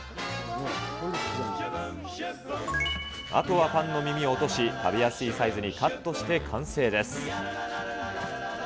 あとはパンの耳を落とし、食べやすいサイズにカットして完成です。